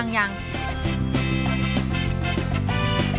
อาหาร